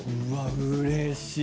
うれしい。